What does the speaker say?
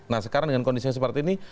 nah sekarang dengan kondisi yang seperti ini